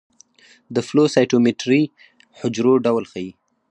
د فلو سايټومېټري حجرو ډول ښيي.